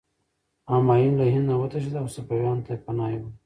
همایون له هند نه وتښتېد او صفویانو ته پناه یووړه.